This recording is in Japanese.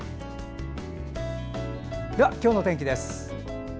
では、今日の天気です。